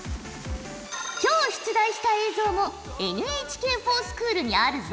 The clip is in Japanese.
今日出題した映像もＮＨＫｆｏｒＳｃｈｏｏｌにあるぞ。